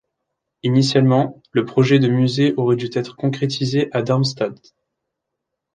Initialement, le projet de musée aurait dû être concrétisé à Darmstadt.